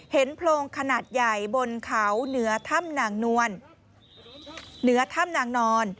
เห็นโพรงขนาดใหญ่บนเขาเหนือถ้ำนางนวล